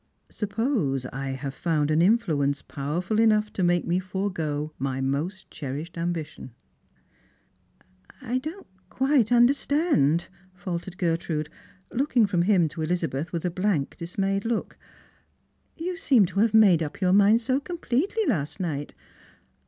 " Suppose 1 have found an influence power ful enough to make me forego my most cherished ambition ?"" I don't quite understand," faltered Gertrude, looking from him to Elizabeth with a blank dismayed look. " You seemed to have made up your mind so completely last night.